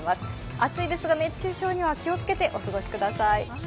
暑いですが熱中症には気をつけてお過ごしください。